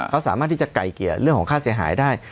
เขาสามารถที่จะไกลเกลี่ยเรื่องของค่าเสียหายได้